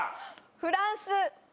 フランス。